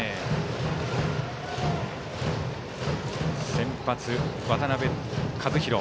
先発、渡辺和大。